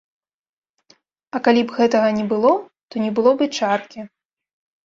А калі б гэтага не было, то не было б і чаркі.